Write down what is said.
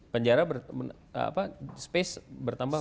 penjara apa space bertambah